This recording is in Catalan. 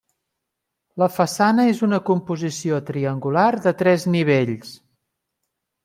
La façana és una composició triangular de tres nivells.